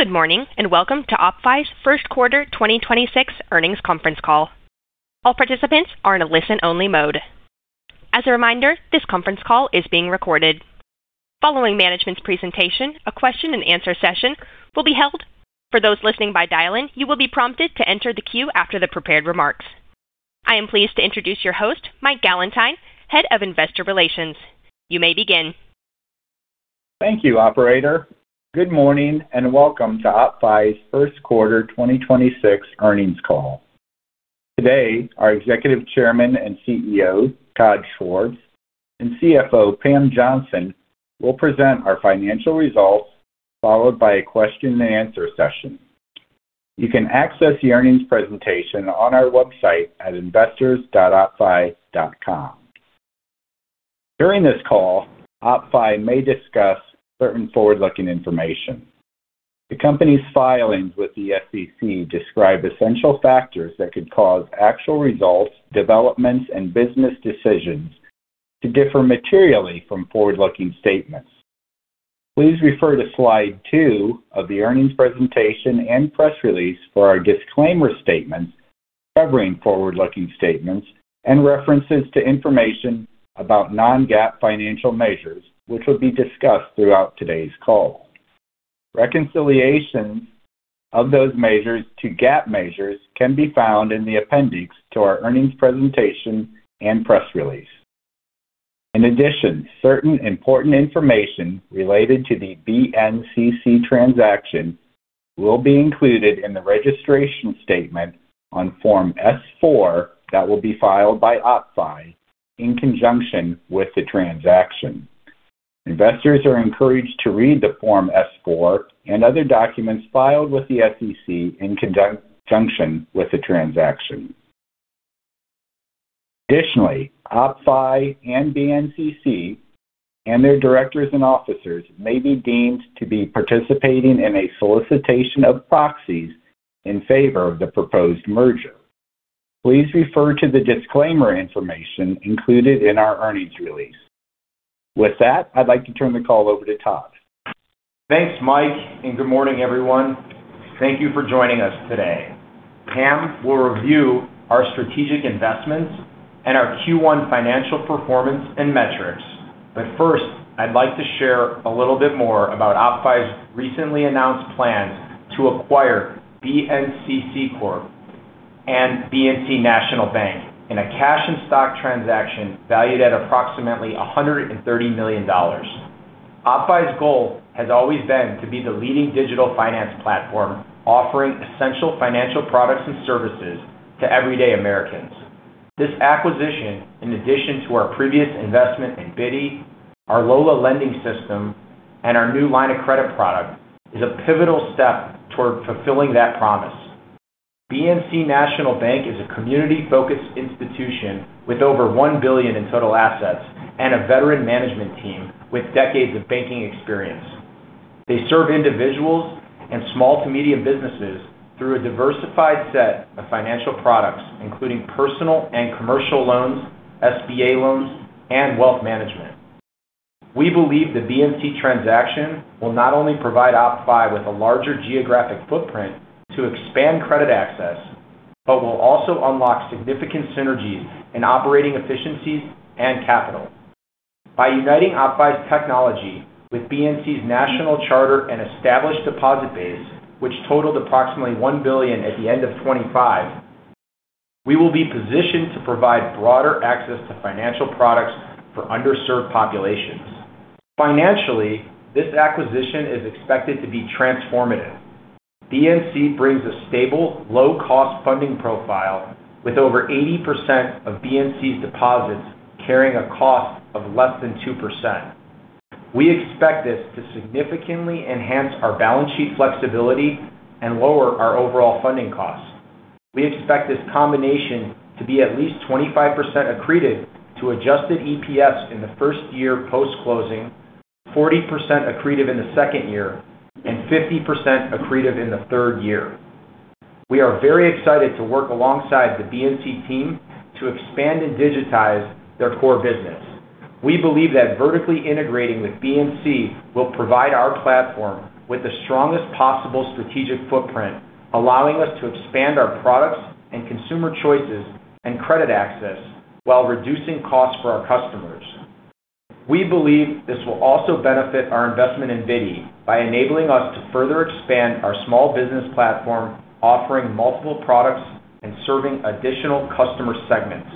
Good morning, and welcome to OppFi's First Quarter 2026 Earnings Conference Call. All participants are in a listen-only mode. As a reminder, this conference call is being recorded. Following management's presentation, a question-and-answer session will be held. For those listening by dial-in, you will be prompted to enter the queue after the prepared remarks. I am pleased to introduce your host, Mike Gallentine, Head of Investor Relations. You may begin. Thank you, operator. Good morning, and welcome to OppFi's First Quarter 2026 Earnings Call. Today, our Executive Chairman and CEO, Todd Schwartz, and CFO, Pam Johnson, will present our financial results, followed by a question-and-answer session. You can access the earnings presentation on our website at investors.oppfi.com. During this call, OppFi may discuss certain forward-looking information. The company's filings with the SEC describes essential factors. That could cause actual results, developments, and business decisions to differ materially from forward-looking statements. Please refer to slide two of the earnings presentation, and press release for our disclaimer statements. Covering forward-looking statements, and references to information about non-GAAP financial measures. Which will be discussed throughout today's call. Reconciliations of those measures to GAAP measures, can be found in the Appendix to our earnings presentation, and press release. In addition, certain important information related to the BNCC transaction. Will be included in the registration statement on Form S-4, that will be filed by OppFi in conjunction with the transaction. Investors are encouraged to read the Form S-4, and other documents filed with the SEC in conjunction with the transaction. Additionally, OppFi and BNCC, and their directors, and officers may be deemed to be participating in a solicitation of proxies. In favor of the proposed merger. Please refer to the disclaimer information included in our earnings release. With that, I'd like to turn the call over to Todd. Thanks, Mike, and good morning, everyone. Thank you for joining us today. Pam will review our strategic investments, and our Q1 financial performance, and metrics. First, I'd like to share a little bit more about OppFi's recently announced plans. To acquire BNCCORP, and BNC National Bank. In a cash and stock transaction valued at approximately $130 million. OppFi's goal has always been to be the leading digital finance platform. Offering essential financial products, and services to everyday Americans. This acquisition, in addition to our previous investment in Bitty, our LOLA lending system. And our new line of credit product, is a pivotal step toward fulfilling that promise. BNC National Bank is a community-focused institution. With over $1 billion in total assets, and a veteran management team with decades of banking experience. They serve individuals, and small to medium businesses. Through a diversified set of financial products. Including personal and commercial loans, SBA loans, and wealth management. We believe the BNC transaction will not only provide OppFi with a larger geographic footprint, to expand credit access. But will also unlock significant synergies in operating efficiencies, and capital. By uniting OppFi's technology, with BNC's national charter, and established deposit base. Which totaled approximately $1 billion at the end of 25. We will be positioned to provide broader access to financial products for underserved populations. Financially, this acquisition is expected to be transformative. BNC brings a stable, low-cost funding profile. With over 80% of BNC's deposits carrying a cost of less than 2%. We expect this to significantly enhance our balance sheet flexibility, and lower our overall funding costs. We expect this combination to be at least 25% accretive to adjusted EPS in the first-year post-closing. 40% accretive in the second year, and 50% accretive in the third year. We are very excited to work alongside the BNC team to expand, and digitize their core business. We believe that vertically integrating with BNC, will provide our platform with the strongest possible strategic footprint. Allowing us to expand our products, and consumer choices, and credit access. While reducing costs for our customers. We believe this will also benefit our investment in Bitty. By enabling us to further expand our small business platform. Offering multiple products, and serving additional customer segments.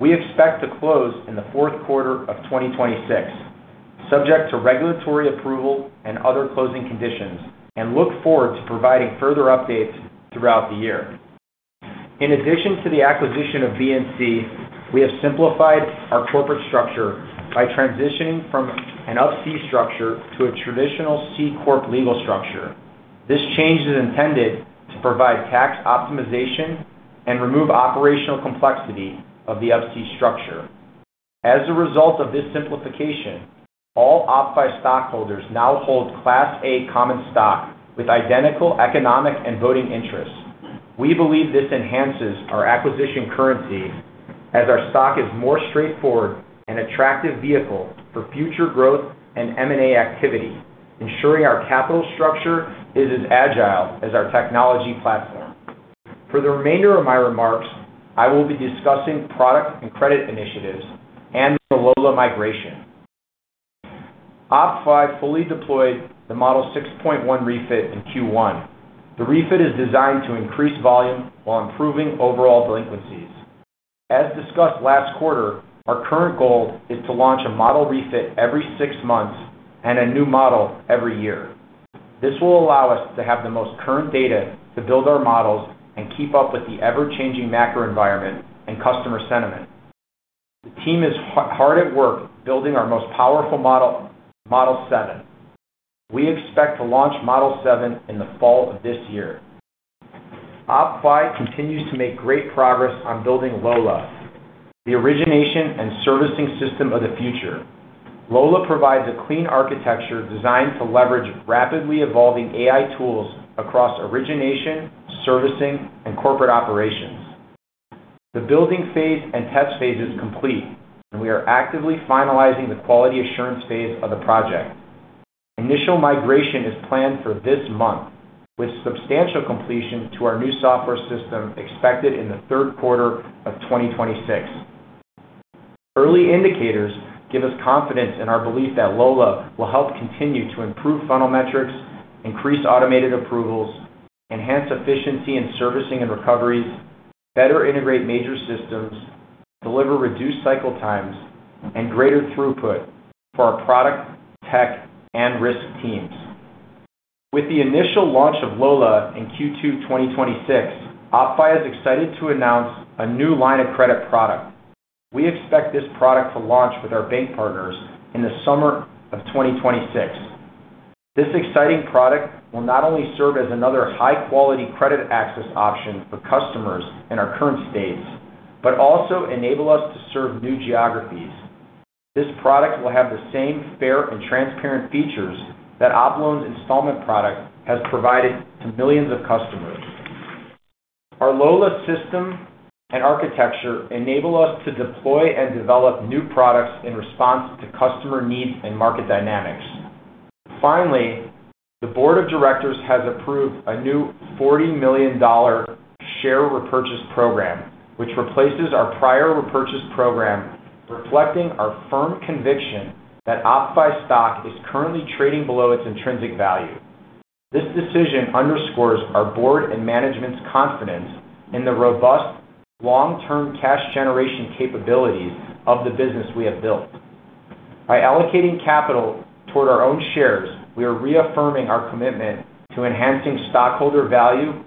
We expect to close in the fourth quarter of 2026. Subject to regulatory approval, and other closing conditions. And look forward to providing further updates throughout the year. In addition to the acquisition of BNC, we have simplified our corporate structure. By transitioning from an Up-C structure to a traditional C-Corp legal structure. This change is intended to provide tax optimization, and remove operational complexity of the Up-C structure. As a result of this simplification, all OppFi stockholders now hold Class A common stock. With identical economic, and voting interests. We believe this enhances our acquisition currency. As our stock is more straightforward, and attractive vehicle for future growth, and M&A activity. Ensuring our capital structure is as agile as our technology platform. For the remainder of my remarks, I will be discussing product, and credit initiatives, and the LOLA migration. OppFi fully deployed the Model 6.1 refit in Q1. The refit is designed to increase volume, while improving overall delinquencies. As discussed last quarter, our current goal is to launch a model refit every six months, and a new model every year. This will allow us to have the most current data, to build our models. And keep up with the ever-changing macro environment, and customer sentiment. The team is hard at work building our most powerful model, Model 7. We expect to launch Model 7 in the fall of this year. OppFi continues to make great progress on building LOLA. The origination and servicing system of the future. LOLA provides a clean architecture designed. To leverage rapidly evolving AI tools across origination, servicing, and corporate operations. The building phase, and test phase is complete. And we are actively finalizing the quality assurance phase of the project. Initial migration is planned for this month, with substantial completion to our new software system expected in the third quarter of 2026. Early indicators give us confidence in our belief that LOLA, will help continue to improve funnel metrics. Increase automated approvals, enhance efficiency in servicing, and recoveries. Better integrate major systems, deliver reduced cycle times, and greater throughput for our product, tech, and risk teams. With the initial launch of LOLA in Q2 2026, OppFi is excited to announce a new line of credit product. We expect this product to launch with our bank partners in the summer of 2026. This exciting product, will not only serve as another high-quality credit access option for customers in our current states. But also enable us to serve new geographies. This product will have the same fair, and transparent features. That OppLoans installment product has provided to millions of customers. Our LOLA system, and architecture enable us to deploy. And develop new products in response to customer needs, and market dynamics. Finally, the board of directors has approved a new $40 million share repurchase program. Which replaces our prior repurchase program, reflecting our firm conviction. That OppFi stock is currently trading below its intrinsic value. This decision underscores our board, and management's confidence. In the robust long-term cash generation capabilities of the business, we have built. By allocating capital toward our own shares, we are reaffirming our commitment. To enhancing stockholder value,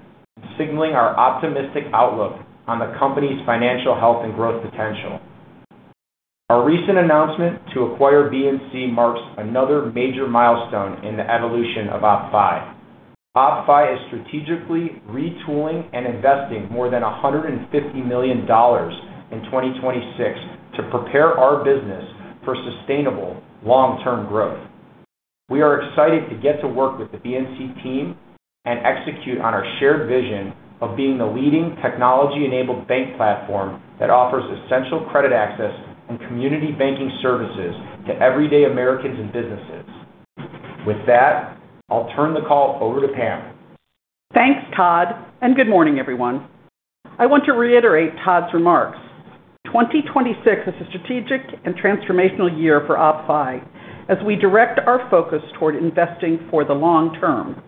signaling our optimistic outlook on the company's financial health, and growth potential. Our recent announcement to acquire BNC marks another major milestone in the evolution of OppFi. OppFi is strategically retooling, and investing more than $150 million in 2026. To prepare our business for sustainable long-term growth. We are excited to get to work with the BNC team. And execute on our shared vision of being the leading technology-enabled bank platform. That offers essential credit access, and community banking services. To everyday Americans, and businesses. With that, I'll turn the call over to Pam. Thanks, Todd. Good morning, everyone. I want to reiterate Todd's remarks. 2026 is a strategic, and transformational year for OppFi. As we direct our focus toward investing for the long term.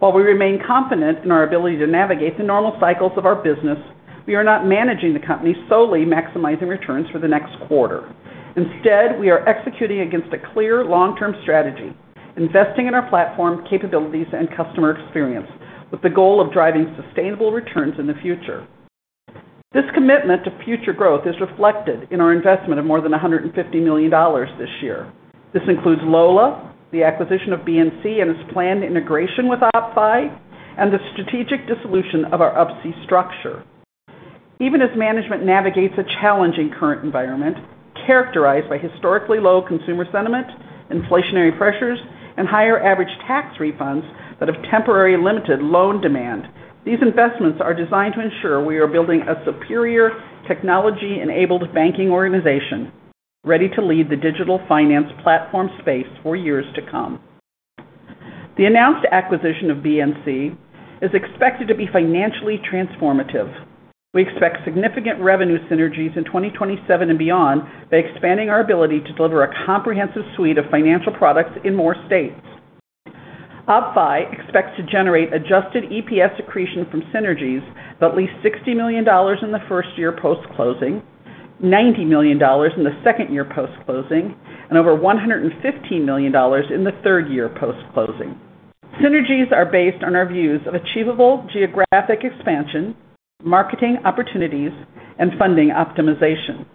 While we remain confident in our ability to navigate the normal cycles of our business. We are not managing the company solely maximizing returns for the next quarter. Instead, we are executing against a clear long-term strategy. Investing in our platform capabilities, and customer experience. With the goal of driving sustainable returns in the future. This commitment to future growth is reflected in our investment of more than $150 million this year. This includes LOLA, the acquisition of BNC. And its planned integration with OppFi, and the strategic dissolution of our Up-C structure. Even as management navigates a challenging current environment. Characterized by historically low consumer sentiment, inflationary pressures, and higher average tax refunds. That have temporarily limited loan demand. These investments are designed, to ensure we are building a superior technology-enabled banking organization. Ready to lead the digital finance platform space for years to come. The announced acquisition of BNC is expected to be financially transformative. We expect significant revenue synergies in 2027, and beyond. By expanding our ability, to deliver a comprehensive suite of financial products in more states. OppFi expects to generate adjusted EPS accretion from synergies. Of at least $60 million in the first-year post-closing. $90 million in the second-year post-closing, and over $115 million in the third-year post-closing. Synergies are based on our views of achievable geographic expansion, marketing opportunities, and funding optimization.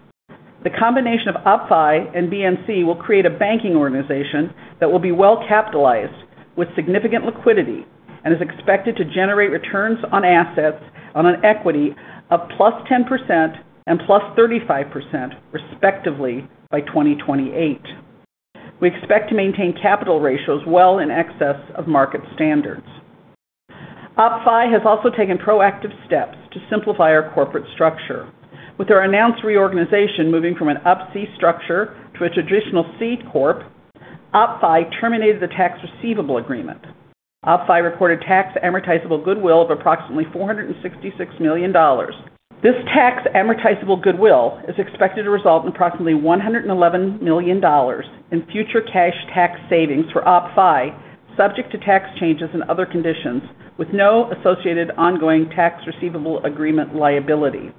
The combination of OppFi, and BNC will create a banking organization. That will be well capitalized with significant liquidity. And is expected to generate returns on assets, on an equity of +10% and +35%, respectively, by 2028. We expect to maintain capital ratios well in excess of market standards. OppFi has also taken proactive steps, to simplify our corporate structure. With our announced reorganization moving from an Up-C structure to a traditional C-Corp. OppFi terminated the tax receivable agreement. OppFi recorded tax amortizable goodwill of approximately $466 million. This tax amortizable goodwill is expected to result in approximately $111 million, in future cash tax savings for OppFi. Subject to tax changes, and other conditions. With no associated ongoing tax receivable agreement liability.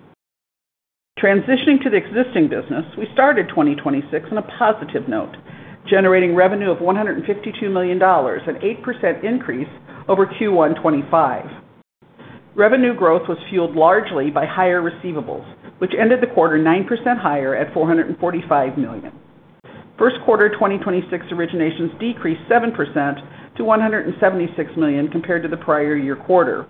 Transitioning to the existing business, we started 2026 on a positive note. Generating revenue of $152 million, an 8% increase over Q1 2025. Revenue growth was fueled largely by higher receivables. Which ended the quarter 9% higher at $445 million. First quarter 2026 originations decreased 7% to $176 million compared to the prior year quarter.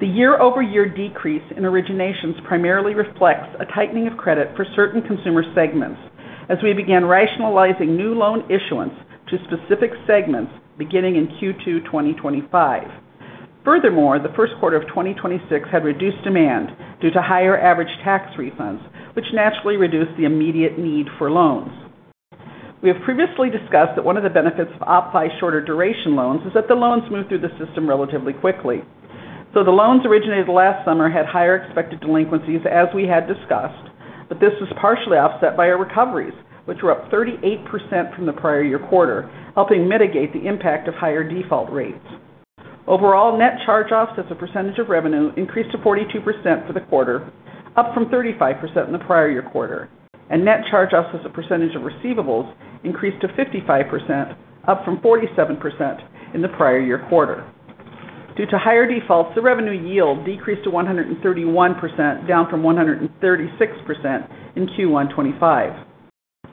The year-over-year decrease, in originations primarily reflects a tightening of credit for certain consumer segments. As we began rationalizing new loan issuance, to specific segments beginning in Q2 2025. Furthermore, the first quarter of 2026 had reduced demand. Due to higher average tax refunds, which naturally reduced the immediate need for loans. We have previously discussed that one of the benefits of OppFi shorter duration loans. Is that the loans move through the system relatively quickly. The loans originated last summer had higher expected delinquencies as we had discussed. But this was partially offset by our recoveries, which were up 38% from the prior year quarter. Helping mitigate the impact of higher default rates. Overall, net charge-offs as a percentage of revenue increased to 42% for the quarter. Up from 35% in the prior year quarter. And net charge-offs as a percentage of receivables increased to 55%, up from 47% in the prior year quarter. Due to higher defaults, the revenue yield decreased to 131%, down from 136% in Q1 2025.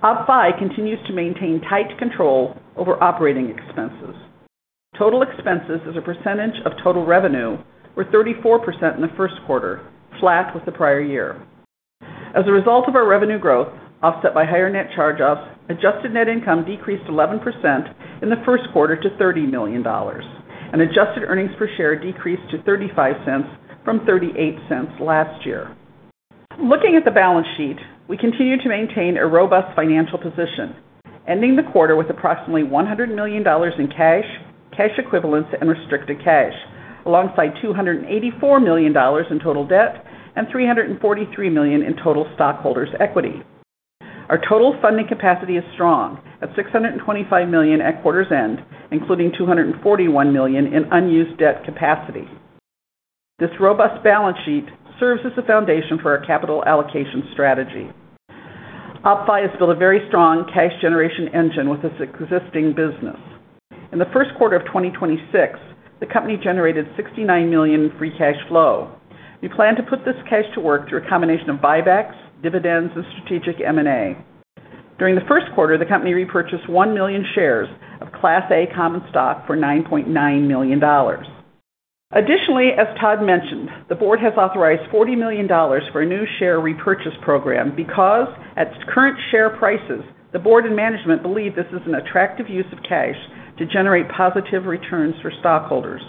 OppFi continues to maintain tight control over operating expenses. Total expenses as a percentage of total revenue were 34% in the first quarter, flat with the prior year. As a result of our revenue growth, offset by higher net charge-offs. Adjusted net income decreased 11%, in the first quarter to $30 million. And adjusted earnings per share decreased to $0.35 from $0.38 last year. Looking at the balance sheet, we continue to maintain a robust financial position. Ending the quarter with approximately $100 million in cash, cash equivalents, and restricted cash. Alongside $284 million in total debt, and $343 million in total stockholders' equity. Our total funding capacity is strong at $625 million at quarter's end. Including $241 million in unused debt capacity. This robust balance sheet serves as the foundation for our capital allocation strategy. OppFi has built a very strong cash generation engine with its existing business. In the first quarter of 2026, the company generated $69 million free cash flow. We plan to put this cash to work through a combination of buybacks, dividends, and strategic M&A. During the first quarter, the company repurchased 1 million shares of Class A common stock for $9.9 million. Additionally, as Todd mentioned, the board has authorized $40 million for a new share repurchase program. Because at current share prices, the board and management believe this is an attractive use of cash. To generate positive returns for stockholders.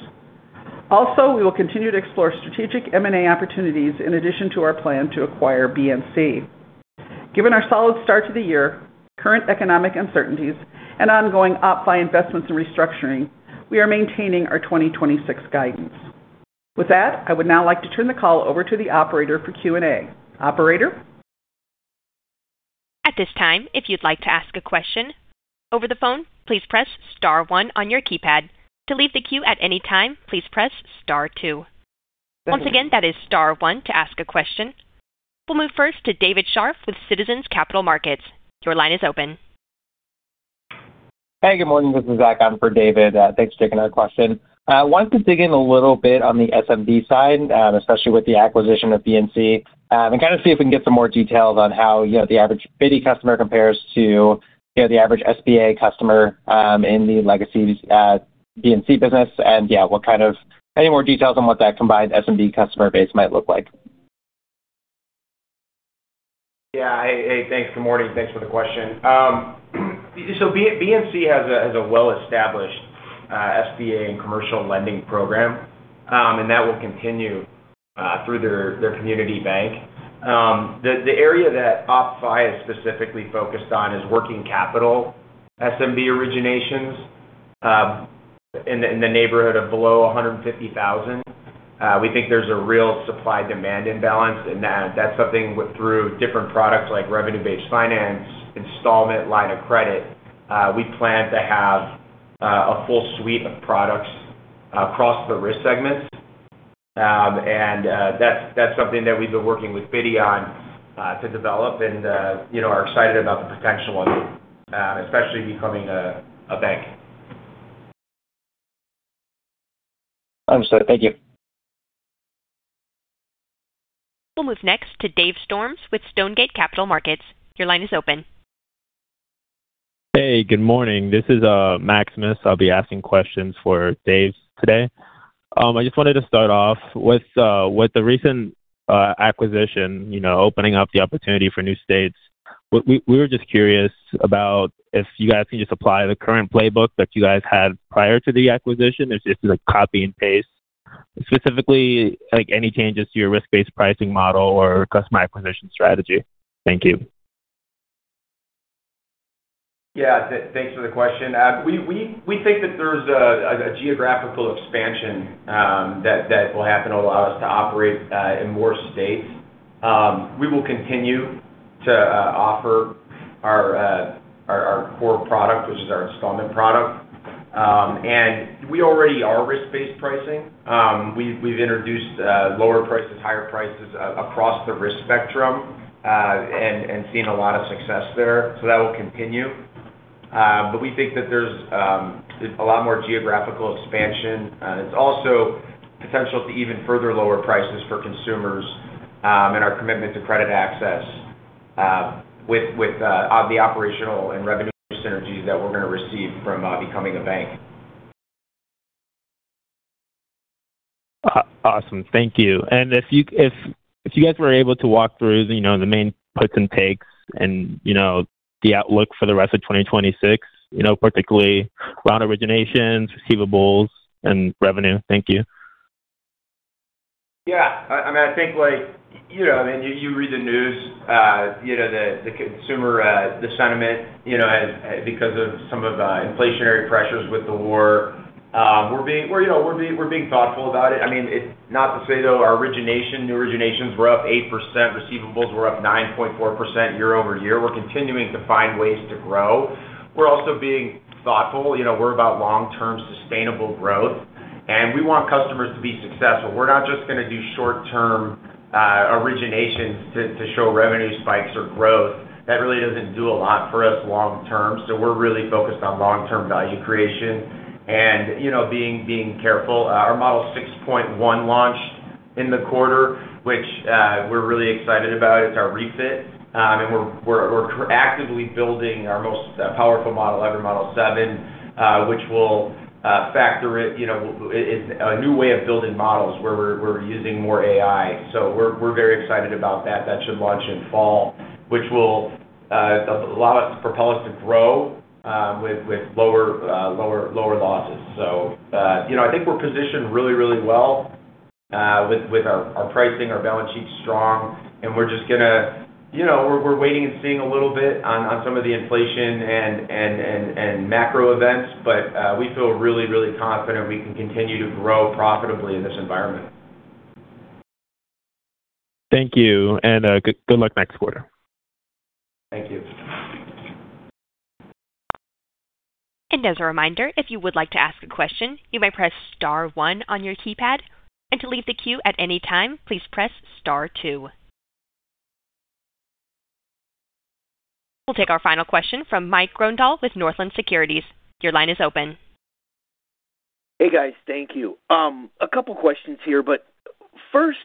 Also, we will continue to explore strategic M&A opportunities in addition to our plan to acquire BNC. Given our solid start to the year, current economic uncertainties, and ongoing OppFi investments, and restructuring. We are maintaining our 2026 guidance. With that, I would now like to turn the call over to the operator for Q&A. Operator? At this time if you would like to ask a question over the phone, please press star one on your keypad. To leave the queue at any time, please press star two. Once again press star one to ask a question. We'll move first to David Scharf with Citizens Capital Markets. Your line is open. Hey, good morning. This is Zach on for David. Thanks for taking our question. I wanted to dig in a little bit on the SMB side, especially with the acquisition of BNC. And kind of see if we can get some more details on how, you know, the average Bitty customer compares to. You know, the average SBA customer in the legacy BNC business. Yeah, what kind of any more details on what that combined SMB customer base might look like? Yeah. Hey, thanks. Good morning. Thanks for the question. BNC has a well-established SBA, and commercial lending program. And that will continue through their community bank. The area that OppFi is specifically focused on is working capital SMB originations. In the neighborhood of below $150,000. We think there's a real supply-demand imbalance. And that's something through different products like revenue-based finance, installment line of credit. We plan to have a full suite of products across the risk segments. That's something that we've been working with Bitty on. To develop and, you know, are excited about the potential on especially becoming a bank. I'm sorry. Thank you. We'll move next to Dave Storms with Stonegate Capital Markets. Your line is open. Hey, good morning. This is Maximus. I'll be asking questions for Dave today. I just wanted to start off with the recent acquisition, you know, opening up the opportunity for new states. We were just curious about if you guys can just apply the current playbook. That you guys had prior to the acquisition. If this is a copy and paste. Specifically, like any changes to your risk-based pricing model or customer acquisition strategy? Thank you. Yeah. Thanks for the question. We think that there's a geographical expansion. That will happen to allow us to operate in more states. We will continue to offer our core product, which is our installment product. We already are risk-based pricing. We've introduced lower prices, higher prices across the risk spectrum, and seen a lot of success there. That will continue. We think that there's a lot more geographical expansion. It's also potential to even further lower prices for consumers. And our commitment to credit access. With the operational, and revenue synergies that we're gonna receive from becoming a bank. Awesome. Thank you. If you guys were able to walk through, you know, the main puts, and takes. And, you know, the outlook for the rest of 2026, you know, particularly around originations, receivables and revenue. Thank you. Yeah. I mean, I think like, you know, I mean, you read the news, you know, the consumer. The sentiment, you know, has because of some of inflationary pressures with the war. We're, you know, we're being thoughtful about it. I mean, it's not to say, though, our origination, new originations were up 8%, receivables were up 9.4% year-over-year. We're continuing to find ways to grow. We're also being thoughtful. You know, we're about long-term sustainable growth. We want customers to be successful. We're not just gonna do short-term originations, to show revenue spikes or growth. That really doesn't do a lot for us long term. We're really focused on long-term value creation, and you know, being careful. Our Model 6.1 launched in the quarter, which we're really excited about. It's our refit. We're actively building our most powerful model ever, Model 7. Which will factor it, you know, in a new way of building models, where we're using more AI. We're very excited about that. That should launch in fall, which will allow us to propel us to grow with lower losses. You know, I think we're positioned really well with our pricing. Our balance sheet's strong, and we're just gonna You know, we're waiting, and seeing a little bit. On some of the inflation, and macro events. But we feel really confident we can continue to grow profitably in this environment. Thank you, and good luck next quarter. Thank you. As a reminder, if you would like to ask a question, you may press star one on your keypad. To leave the queue at any time, please press star two. We'll take our final question from Mike Grondahl with Northland Securities. Your line is open. Hey, guys. Thank you. A couple questions here, but first,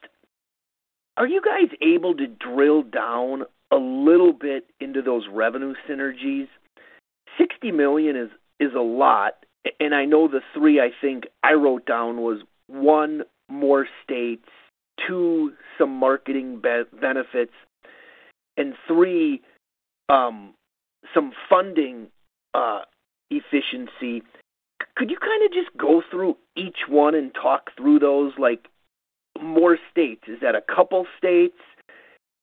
are you guys able to drill down a little bit into those revenue synergies? $60 million is a lot. I know the three I think I wrote down was, one, more states. Two, some marketing benefits, and three, some funding efficiency. Could you kinda just go through each one, and talk through those? Like more states, is that a couple states?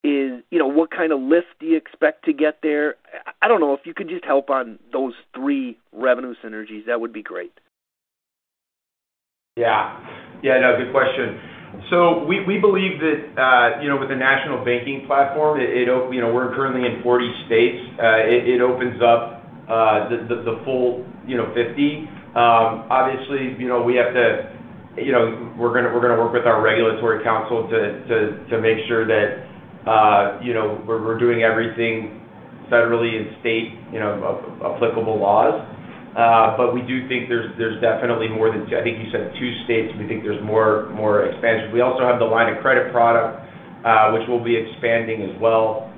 You know, what kind of lift do you expect to get there? I don't know if you could just help on those three revenue synergies, that would be great. Good question. We believe that, you know, with the national banking platform, it, you know, we're currently in 40 states. It opens up the full, you know, 50. Obviously, you know, we're gonna work with our regulatory council. To make sure that, you know, we're doing everything federally, and state, you know, applicable laws. We do think there's definitely more than I think you said two states. We think there's more expansion. We also have the line of credit product. Which we'll be expanding as well,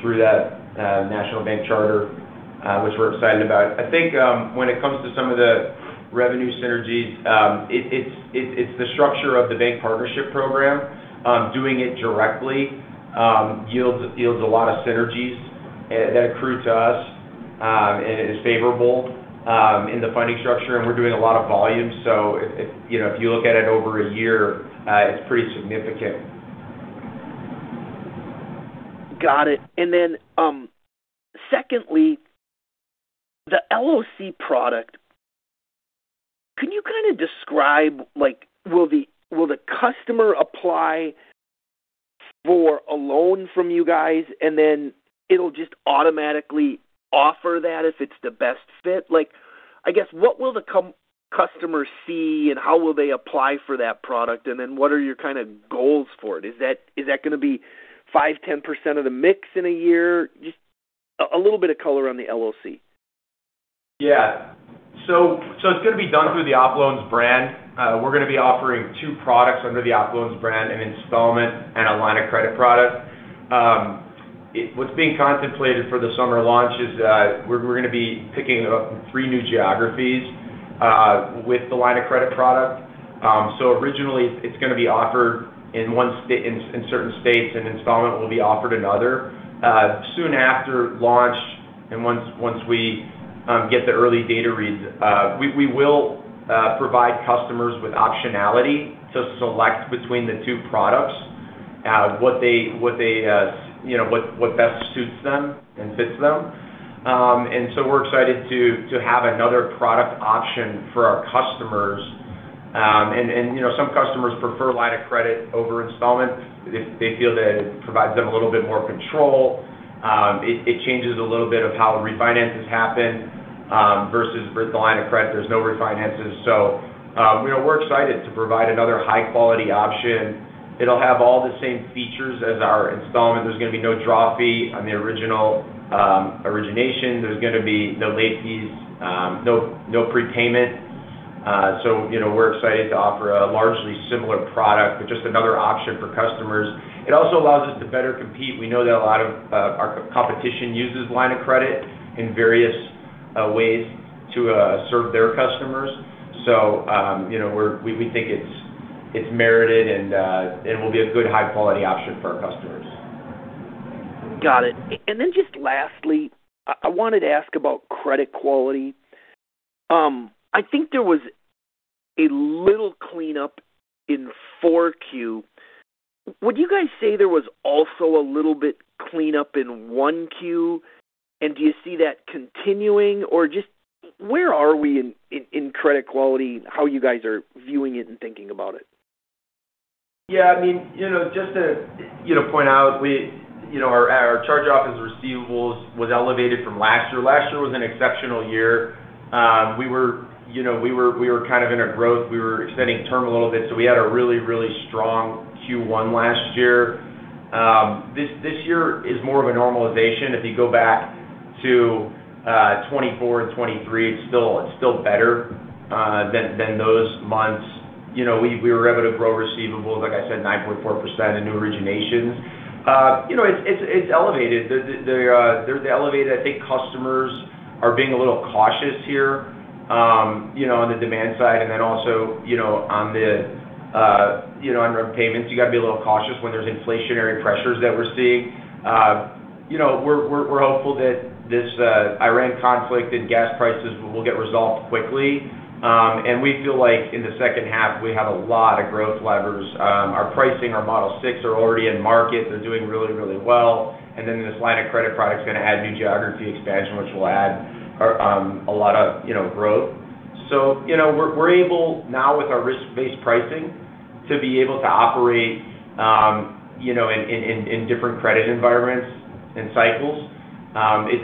through that national bank charter, which we're excited about. I think, when it comes to some of the revenue synergies. It's the structure of the bank partnership program. Doing it directly yields a lot of synergies. That accrue to us, and is favorable in the funding structure, and we're doing a lot of volume. If, you know, if you look at it over a year, it's pretty significant. Got it. Secondly, the LOC product. Can you kinda describe like will the customer apply for a loan from you guys, and then it'll just automatically offer that if it's the best fit? Like, I guess, what will the customer see, and how will they apply for that product? What are your kinda goals for it? Is that gonna be 5%, 10% of the mix in a year? Just a little bit of color on the LOC. Yeah. It's gonna be done through the OppLoans brand. We're gonna be offering two products under the OppLoans brand. An installment, and a line of credit product. What's being contemplated for the summer launch is that we're gonna be picking up three new geographies. With the line of credit product. Originally, it's gonna be offered in one in certain states, and installment will be offered in other. Soon after launch, and once we get the early data reads. We will provide customers with optionality to select between the two products. What they, you know, what best suits them, and fits them. We're excited to have another product option for our customers. You know, some customers prefer line of credit over installment. They feel that it provides them a little bit more control. It changes a little bit of how refinances happen versus with the line of credit, there's no refinances. You know, we're excited to provide another high-quality option. It'll have all the same features as our installment. There's gonna be no draw fee on the original origination. There's gonna be no late fees, no prepayment. You know, we're excited to offer a largely similar product. But just another option for customers. It also allows us to better compete. We know that a lot of our competition uses line of credit. In various ways to serve their customers. You know, we think it's merited, and will be a good high-quality option for our customers. Got it. Then just lastly, I wanted to ask about credit quality. I think there was a little cleanup in 4Q. Would you guys say there was also a little bit cleanup in 1Q? Do you see that continuing? Just where are we in credit quality? how you guys are viewing it and thinking about it? Yeah. I mean, you know, just to, you know, point out, we, you know, our charge-off as receivables was elevated from last year. Last year was an exceptional year. We were, you know, we were kind of in a growth. We were extending term a little bit, so we had a really strong Q1 last year. This year is more of a normalization. If you go back to 2024, and 2023, it's still better than those months. You know, we were able to grow receivables, like I said, 9.4% in new originations. you know, it's elevated. The, they're elevated. I think customers are being a little cautious here. You know, on the demand side, and then also, you know, on the, you know, on repayments. You gotta be a little cautious when there's inflationary pressures that we're seeing. You know, we're hopeful that this Iran conflict, and gas prices will get resolved quickly. We feel like in the second half, we have a lot of growth levers. Our pricing, our Model 6 are already in market. They're doing really well. This line of credit product's gonna add new geography expansion. Which will add a lot of, you know, growth. You know, we're able now with our risk-based pricing to be able to operate, you know, in different credit environments, and cycles.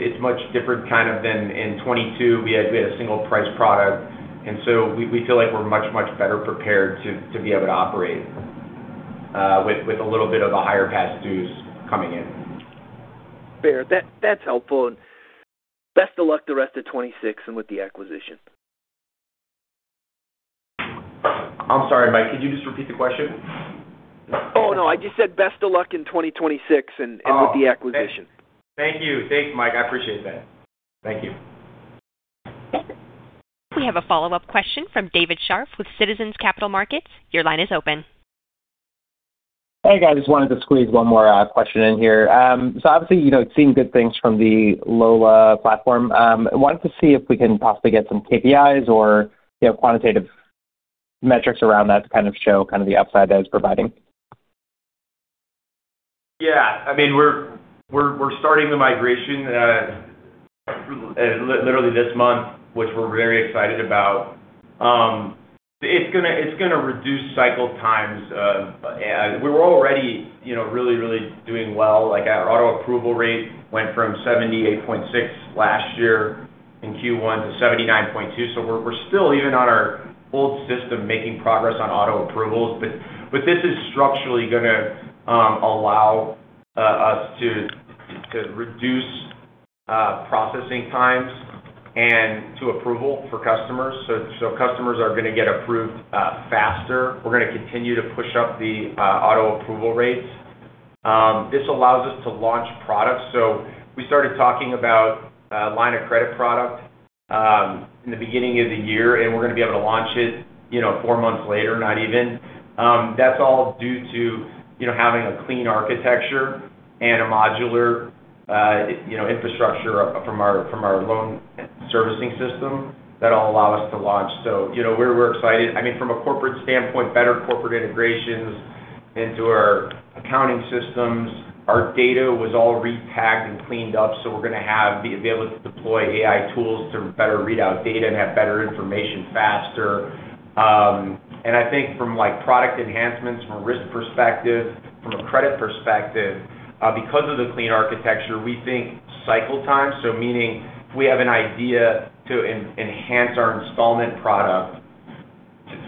It's much different kind of than in 2022. We had a single price product. We feel like we're much better prepared to be able to operate. With a little bit of a higher past dues coming in. Fair. That's helpful. Best of luck the rest of 2026, and with the acquisition. I'm sorry, Mike, could you just repeat the question? Oh, no. I just said best of luck in 2026, and with the acquisition. Thank you. Thanks, Mike. I appreciate that. Thank you. We have a follow-up question from David Scharf with Citizens Capital Markets. Your line is open. Hey, guys. Just wanted to squeeze one more question in here. Obviously, you know, seeing good things from the LOLA platform. I wanted to see if we can possibly get some KPIs or. You know, quantitative metrics around that to kind of show kind of the upside that it's providing. Yeah. I mean, we're starting the migration literally this month, which we're very excited about. It's gonna reduce cycle times. We were already, you know, really doing well. Like, our auto-approval rate went from 78.6% last year in Q1 to 79.2%. We're still even on our old system making progress on auto-approvals. But this is structurally gonna allow us to reduce processing times, and to approval for customers. Customers are gonna get approved faster. We're gonna continue to push up the auto-approval rates. This allows us to launch products. We started talking about a line of credit product in the beginning of the year. And we're gonna be able to launch it, you know, four months later, not even. That's all due to, you know, having a clean architecture, and a modular. You know, infrastructure from our, from our loan servicing system that'll allow us to launch. You know, we're excited. I mean, from a corporate standpoint, better corporate integrations into our accounting systems. Our data was all repacked, and cleaned up. So, we're gonna be able to deploy AI tools to better read out data, and have better information faster. And I think from, like, product enhancements, from a risk perspective, from a credit perspective. Because of the clean architecture, we think cycle time. Meaning if we have an idea to enhance our installment product.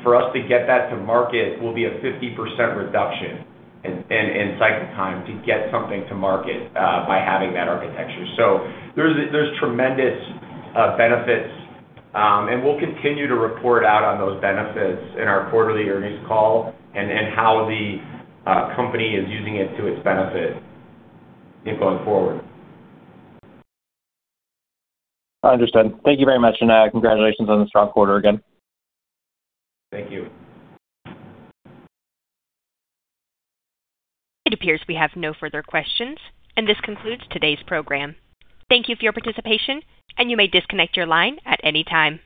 For us to get that to market will be a 50% reduction in cycle time to get something to market, by having that architecture. There's, there's tremendous benefits. We'll continue to report out on those benefits in our quarterly earnings call. And how the company is using it to its benefit in going forward. Understood. Thank you very much. Congratulations on the strong quarter again. Thank you. It appears we have no further questions, and this concludes today's program. Thank you for your participation, and you may disconnect your line at any time.